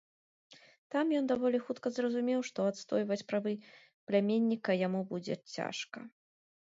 Там ён даволі хутка зразумеў, што адстойваць правы пляменніка яму будзе цяжка.